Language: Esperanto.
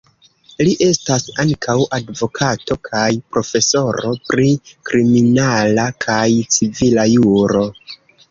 Li estas ankaŭ advokato kaj profesoro pri kriminala kaj civila juro.